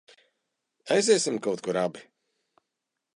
Aiziesim kaut kur abi?